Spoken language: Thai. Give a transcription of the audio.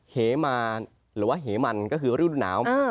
เหมานหรือว่าเหมันก็คือฤดูหนาว